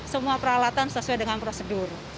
semua peralatan sesuai dengan prosedur